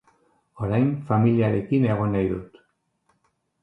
Orain familiarekin egon nahi dut.